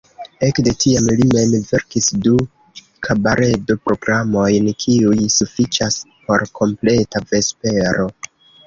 Ekde tiam li mem verkis du kabaredo-programojn kiuj sufiĉas por kompleta vespero.